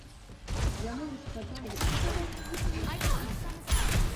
Яму не шкада іх даставаць з бюджэту.